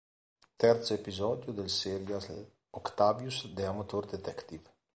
Terzo episodio del serial "Octavius, the Amateur Detective".